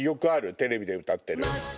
テレビで歌ってる。